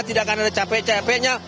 tidak akan ada capek capeknya